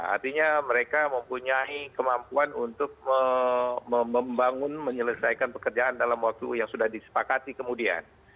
artinya mereka mempunyai kemampuan untuk membangun menyelesaikan pekerjaan dalam waktu yang sudah disepakati kemudian